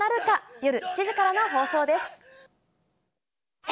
夜７時からの放送です。